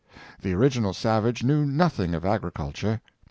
The original savage knew nothing of agriculture.